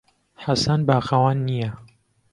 حەسەن باخەوان نییە.